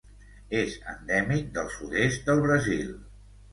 És endèmic del sud-est del Brasil.